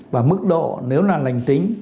và mức độ nếu là lình tính